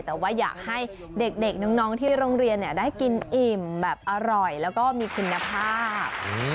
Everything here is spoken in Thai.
แต่ว่าอยากให้เด็กน้องที่โรงเรียนได้กินอิ่มแบบอร่อยแล้วก็มีคุณภาพ